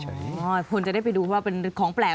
ควรจะได้ไปดูว่าเป็นของแปลก